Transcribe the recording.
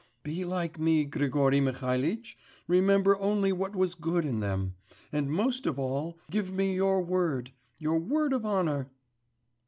'Be like me, Grigory Mihalitch, remember only what was good in them; and most of all, give me your word.... Your word of honour....